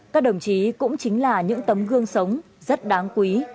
các đồng chí cũng chính là những tấm gương sống rất đáng quý